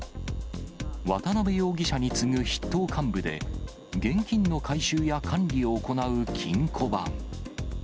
渡辺容疑者に次ぐ筆頭幹部で、現金の回収や管理を行う金庫番。